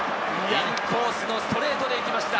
インコースのストレートで行きました。